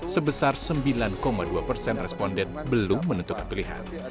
sebesar sembilan dua persen responden belum menentukan pilihan